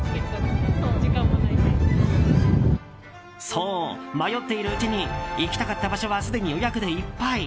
そう、迷っているうちに行きたかった場所はすでに予約でいっぱい。